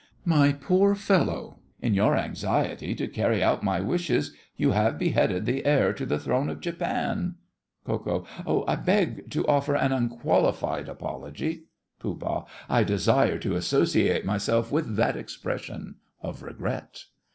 My poor fellow, in your anxiety to carry out my wishes you have beheaded the heir to the throne of Japan! KO. I beg to offer an unqualified apology. POOH. I desire to associate myself with that expression of regret.